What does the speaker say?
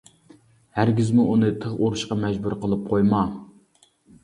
ھەرگىزمۇ ئۇنى تىغ ئۇرۇشقا مەجبۇر قىلىپ قويما!